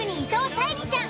沙莉ちゃん？